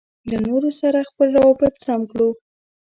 له نورو سره خپل روابط سم کړو.